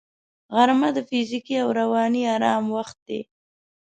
غرمه د فزیکي او رواني آرام وخت دی